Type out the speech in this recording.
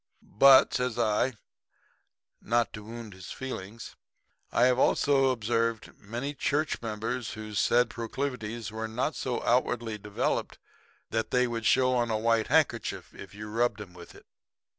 But,' says I, not to wound his feelings, 'I have also observed many church members whose said proclivities were not so outwardly developed that they would show on a white handkerchief if you rubbed 'em with it.'